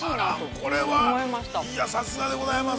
◆これは、いや、さすがでございます。